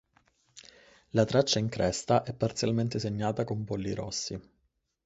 La traccia in cresta è parzialmente segnata con bolli rossi.